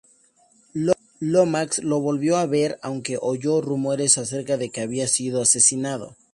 Lomax lo volvió a ver, aunque oyó rumores acerca de que había sido asesinado.